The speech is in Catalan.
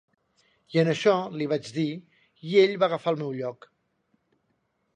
I en això li vaig dir, i ell va agafar el meu lloc.